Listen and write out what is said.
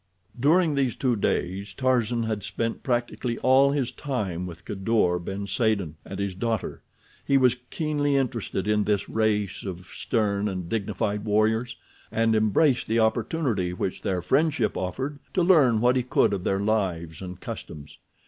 During these two days Tarzan had spent practically all his time with Kadour ben Saden and his daughter. He was keenly interested in this race of stern and dignified warriors, and embraced the opportunity which their friendship offered to learn what he could of their lives and customs.